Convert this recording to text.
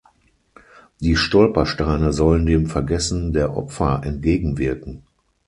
Die Stolpersteine sollen dem Vergessen der Opfer entgegenwirken.